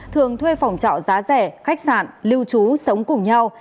thường thuê phòng trọ giá rẻ khách sạn lưu trú sống cùng nhau